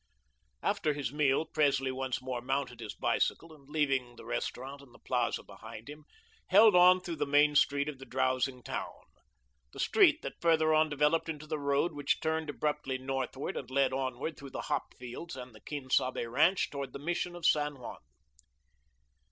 After his meal, Presley once more mounted his bicycle, and leaving the restaurant and the Plaza behind him, held on through the main street of the drowsing town the street that farther on developed into the road which turned abruptly northward and led onward through the hop fields and the Quien Sabe ranch toward the Mission of San Juan.